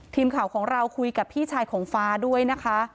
ทีมข่าวของเราคุยกับพี่ชายของฟ้าด้วยนะคะ